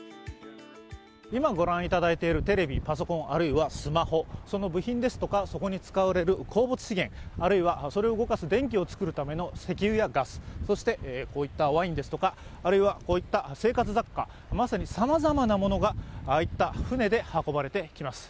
今、御覧いただいているテレビ、パソコンあるいはスマホ、その部品ですとかそこに使われる鉱物資源、あるいはそれを動かす電気を動かすための石油やガス、そしてこういったワインですとか、こういった生活雑貨まさにさまざまなものが、ああいった船で運ばれてきます。